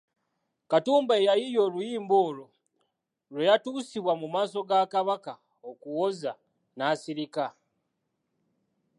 Katumba eyayiiya oluyimba olwo bwe yatuusibwa mu maaso ga Kabaka okuwoza n'asirika.